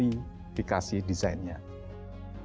ini adalah desain yang diberikan oleh lrt